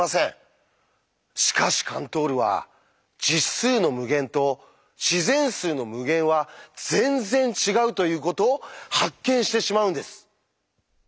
しかしカントールは「実数の無限」と「自然数の無限」は全然違うということを発見してしまうんです！